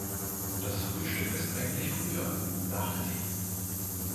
Das Frühstück ist eigentlich früher, dachte sie.